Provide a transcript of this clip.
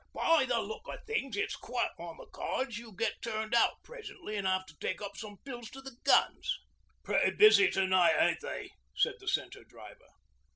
'By the look o' things, it's quite on the cards you get turned out presently an' have to take up some pills to the guns.' 'Pretty busy to night, ain't they?' said the Centre Driver.